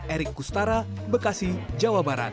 erik kustara bekasi jawa barat